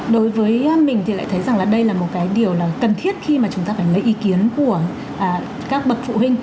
đối với mình thì lại thấy rằng là đây là một cái điều cần thiết khi mà chúng ta phải lấy ý kiến của các bậc phụ huynh